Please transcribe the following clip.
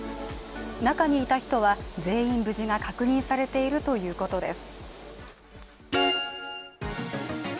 中にいた人は全員無事が確認されているということです。